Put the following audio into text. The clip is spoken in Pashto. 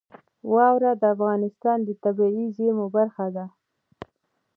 واوره د افغانستان د طبیعي زیرمو برخه ده.